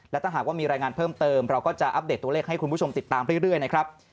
และถ้าหากว่ามีรายงานเพิ่มเติมเราก็จะอัปเดตตัวเลขให้คุณผู้ชมติดตามเรื่อยนะครับ